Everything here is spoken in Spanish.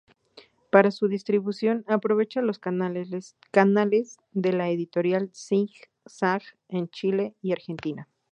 Para su distribución, aprovecha los canales de la editorial Zig-Zag en Chile y Argentina.